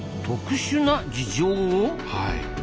はい。